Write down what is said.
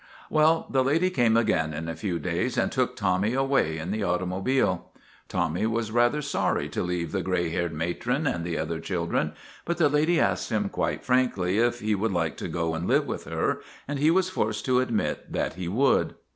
Well, the lady came again in a few days and took Tommy away in the automobile. Tommy was rather sorry to leave the gray haired matron and the other children, but the lady asked him quite frankly 66 MAGINNIS if he would like to go and live with her, and he was forced to admit that he would.